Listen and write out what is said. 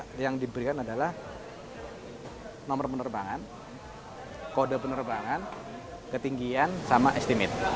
jadi yang diberikan adalah nomor penerbangan kode penerbangan ketinggian sama estimatenya